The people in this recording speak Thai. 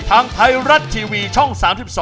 ทางไทยรัฐทีวีช่อง๓๒